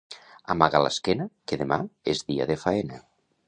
Amaga l'esquena que demà és dia de faena.